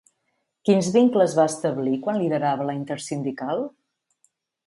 Quins vincles va establir quan liderava la Intersindical?